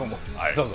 どうぞ。